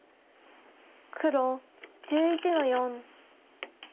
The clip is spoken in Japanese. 黒１１の四。